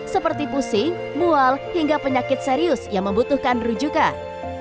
seperti pusing mual hingga penyakit serius yang membutuhkan rujukan